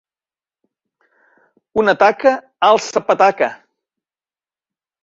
Una taca, alça pataca!